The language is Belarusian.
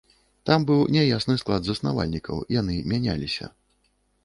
Там быў няясны склад заснавальнікаў, яны мяняліся.